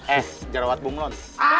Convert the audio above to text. eh jarawat bunglon